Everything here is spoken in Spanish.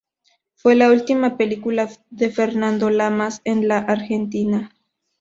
Fue la última película de Fernando Lamas en la Argentina.